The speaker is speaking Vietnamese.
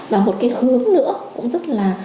và một cái hướng nữa cũng rất là